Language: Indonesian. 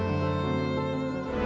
agar tidak terjadi keguguran